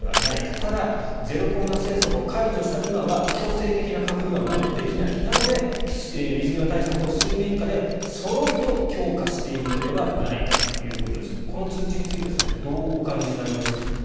ただ、ゼロコロナ政策を解除した今は強制的な隔離はもうできないなので、水際対策を水面下でそろりと強化しているのではないかということですがこの通知については先生どうお感じになりましたか？